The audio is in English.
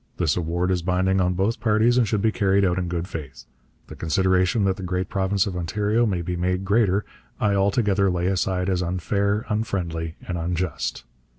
This award is binding on both parties and should be carried out in good faith. The consideration that the great province of Ontario may be made greater, I altogether lay aside as unfair, unfriendly, and unjust.'